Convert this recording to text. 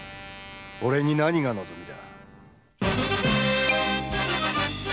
俺に何が望みだ？